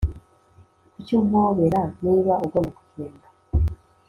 Kuki umpobera niba ugomba kugenda